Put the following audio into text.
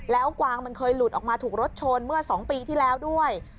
แล้วกวางมันเคยหลุดออกมาถูกรถชนเมื่อ๒ปีที่แล้วด้วย